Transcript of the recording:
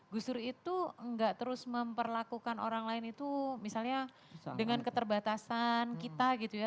gus dur itu enggak terus memperlakukan orang lain itu misalnya dengan keterbatasan kita gitu ya